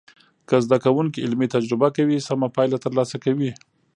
که زده کوونکي علمي تجربه کوي، سمه پایله تر لاسه کوي.